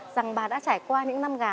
rằng bà đã trải qua những năm gà